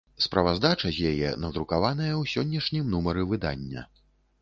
Справаздача з яе надрукаваная ў сённяшнім нумары выдання.